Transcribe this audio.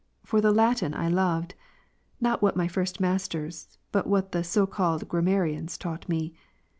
For the Latin I loved ; not what my first masters, but what the so called grammarians taught me.